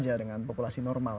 sama saja dengan populasi normal